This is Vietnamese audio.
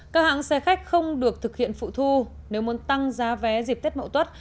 các hãng xe khách không được thực hiện phụ thu nếu muốn tăng giá vé dịp tết mậu tuất